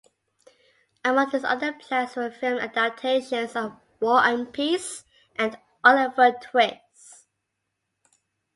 Among his other plans were film adaptations of "War and Peace" and "Oliver Twist".